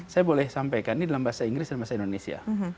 saya boleh sampaikan ini dalam bahasa inggris dan bahasa indonesia